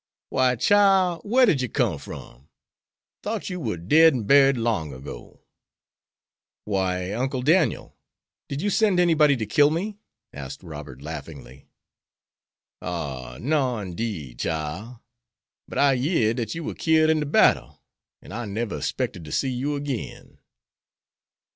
"Why, chile, whar did yer come from? Thought you war dead an' buried long 'go." "Why, Uncle Daniel, did you send anybody to kill me?" asked Robert, laughingly. "Oh, no'n 'deed, chile! but I yeard dat you war killed in de battle, an' I never 'spected ter see you agin."